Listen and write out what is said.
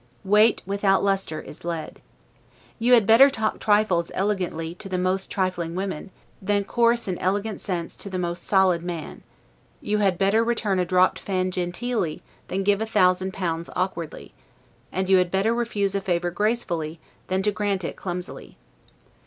Weight without lustre is lead. You had better talk trifles elegantly to the most trifling woman, than coarse in elegant sense to the most solid man; you had better, return a dropped fan genteelly, than give a thousand pounds awkwardly; and you had better refuse a favor gracefully, than to grant it clumsily.